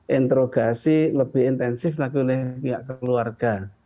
interogasi lebih intensif lagi oleh pihak keluarga